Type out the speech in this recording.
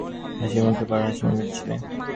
সে সবুজ জামা পরা হাসিখুশি একটা ছেলে।